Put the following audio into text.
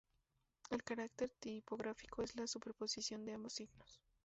El carácter tipográfico es la superposición de ambos signos.